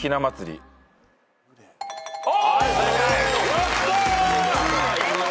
やった！